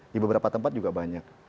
di beberapa tempat juga banyak